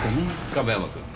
亀山くん。